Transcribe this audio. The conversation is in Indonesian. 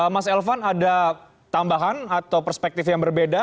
mas elvan ada tambahan atau perspektif yang berbeda